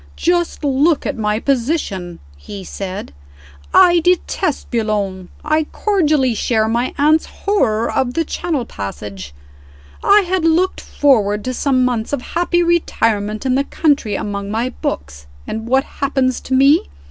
"Just look at my position," he said. "I detest Boulogne; I cordially share my aunt's horror of the Channel passage; I had looked forward to some months of happy retirement in the country among my books and what happens to me?